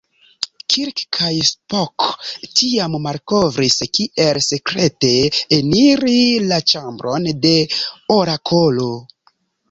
Kirk kaj Spock tiam malkovris kiel sekrete eniri la ĉambron de Orakolo.